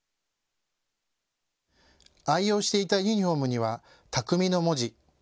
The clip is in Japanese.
愛用していたユニフォームには巧の文字。